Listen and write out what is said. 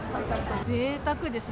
ぜいたくですね。